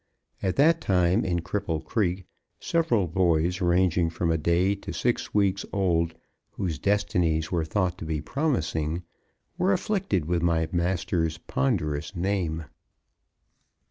At that time in Cripple Creek, several boys ranging from a day to six weeks old, whose destinies were thought to be promising, were afflicted with my master's ponderous name.